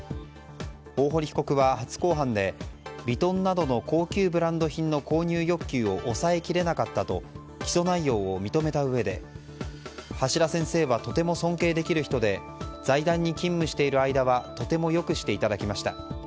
大堀被告は初公判でヴィトンなどの高級ブランド品の購入欲求を抑えきれなかったと起訴内容を認めたうえで橋田先生はとても尊敬できる人で財団に勤務している間はとてもよくしていただきました。